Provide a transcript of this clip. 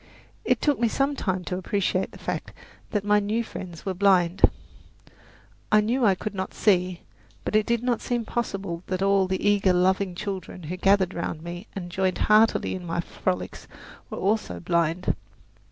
It took me some time to appreciate the fact that my new friends were blind. I knew I could not see; but it did not seem possible that all the eager, loving children who gathered round me and joined heartily in my frolics were also blind.